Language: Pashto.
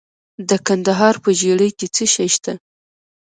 د کندهار په ژیړۍ کې څه شی شته؟